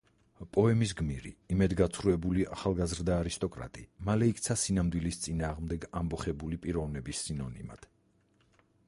პოემის გმირი, იმედგაცრუებული ახალგაზრდა არისტოკრატი, მალე იქცა სინამდვილის წინააღმდეგ ამბოხებული პიროვნების სინონიმად.